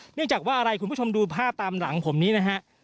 เนื่องจากว่าอะไรคุณผู้ชมดูภาพตามหลังผมนี้นะฮะ